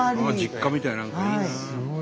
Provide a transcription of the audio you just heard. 実家みたい何かいいな。